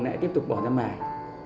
nó lại tiếp tục bỏ ra mài